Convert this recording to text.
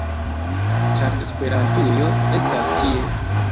- ĉar Esperantujo estas ĉie!